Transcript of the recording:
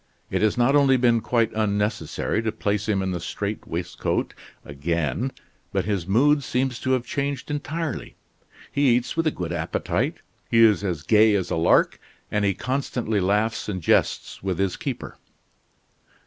It has not only been quite unnecessary to place him in the strait waistcoat again, but his mood seems to have changed entirely. He eats with a good appetite; he is as gay as a lark, and he constantly laughs and jests with his keeper."